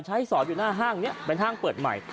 สอนอยู่หน้าห้างนี้เป็นห้างเปิดใหม่